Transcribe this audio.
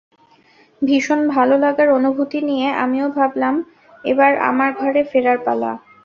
ভীষণ ভালো লাগার অনুভূতি নিয়ে আমিও ভাবলাম এবার আমার ঘরে ফেরার পালা।